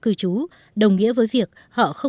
cư trú đồng nghĩa với việc họ